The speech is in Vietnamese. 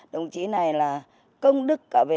đồng chí này là công đức cao tuổi